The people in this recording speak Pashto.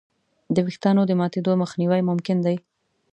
د وېښتیانو د ماتېدو مخنیوی ممکن دی.